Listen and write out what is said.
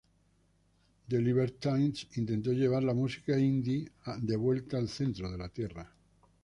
The Libertines intentó llevar la música Indie de vuelta al centro de la tierra.